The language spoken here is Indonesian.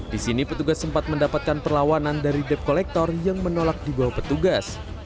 di sini petugas sempat mendapatkan perlawanan dari debt collector yang menolak dibawa petugas